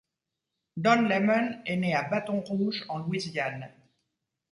Don Lemon est né à Baton Rouge, en Louisiane.